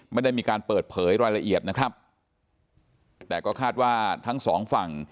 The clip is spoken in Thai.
ไม่ได้มีการเปิดเผยรายละเอียดนะครับแต่ก็คาดว่าทั้งสองฝั่ง